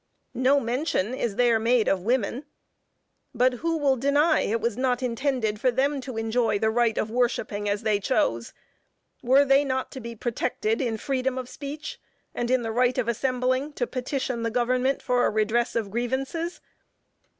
No mention is there made of women, but who will deny it was not intended for them to enjoy the right of worshipping as they choose? Were they not to be protected in freedom of speech, and in the right of assembling to petition the government for a redress of grievances?